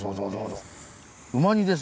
うま煮ですね。